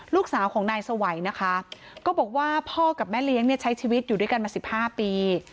ลูกสาวของนายสวัยนะคะก็บอกว่าพ่อกับแม่เลี้ยงเนี่ยใช้ชีวิตอยู่ด้วยกันมา๑๕ปี